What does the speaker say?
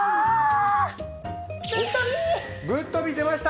「ぶっとび！！」出ました！